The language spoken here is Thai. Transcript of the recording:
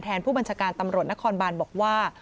ผู้บัญชาการตำรวจนครบานบอกว่า